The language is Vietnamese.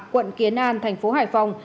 quận kiến an thành phố hải phòng